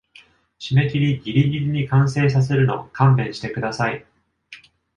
締切ギリギリに完成させるの勘弁してください